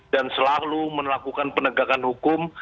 dan selalu melakukan penegakan hukum